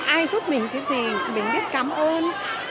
ai giúp mình cái gì mình biết cảm ơn